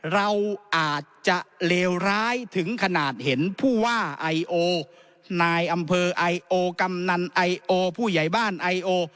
เราอาจจะเลวร้ายถึงขนาดเห็นผู้ว่าไอโอนายอำเภอไอโอกำนันไอโอผู้ใหญ่บ้านไอโอ